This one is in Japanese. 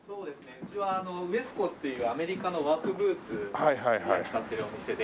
うちはウエスコっていうアメリカのワークブーツを取り扱っているお店で。